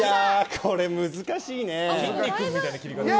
これ難しいね。